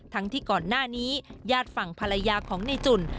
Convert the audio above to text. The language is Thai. ที่ก่อนหน้านี้ญาติฝั่งภรรยาของในจุ่น